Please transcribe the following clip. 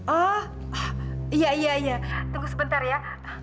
oh iya iya iya tunggu sebentar ya